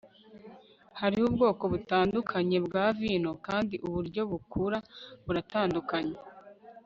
Hariho ubwoko butandukanye bwa vino kandi uburyo bukura buratandukanye